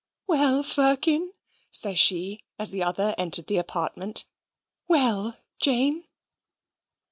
"Well, Firkin?" says she, as the other entered the apartment. "Well, Jane?"